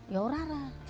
ya udah lah